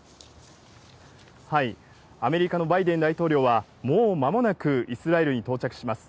アメリカのバイデン大統領は、もう間もなくイスラエルに到着します。